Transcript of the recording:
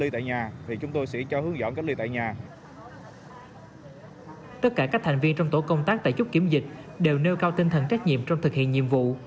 tất cả các thành viên trong tổ công tác tại chốt kiểm dịch đều nêu cao tinh thần trách nhiệm trong thực hiện nhiệm vụ